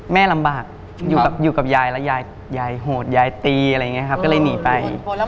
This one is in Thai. แม่ลำบากอยู่กับยายแต่ยายโหดเจ๋งีอีกเลยหนีไป